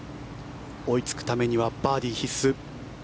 追いつくためにはバーディー必須。